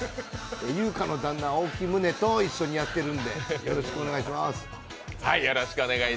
優香の旦那、青木崇高とやっているのでよろしくお願いします。